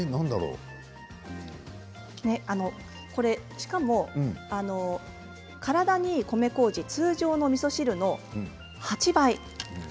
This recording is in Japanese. しかも体にいい米こうじ通常のみそ汁の８倍です。